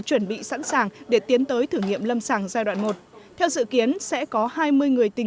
chuẩn bị sẵn sàng để tiến tới thử nghiệm lâm sàng giai đoạn một theo dự kiến sẽ có hai mươi người tình